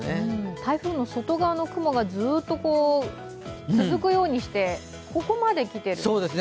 台風の外側の雲がずっと続くようにしてここまで来ているんですね。